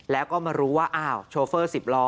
แล้วก็มารู้ว่าอ้าวโชเฟอร์๑๐ล้อ